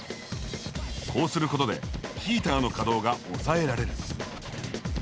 こうすることでヒーターの稼働が抑えられる。